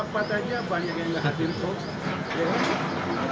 untuk kerapatannya banyak yang gak hadir kok